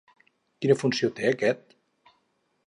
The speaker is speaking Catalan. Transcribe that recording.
Quina funció té aquest?